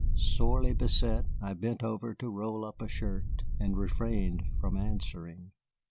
Sorely beset, I bent over to roll up a shirt, and refrained from answering.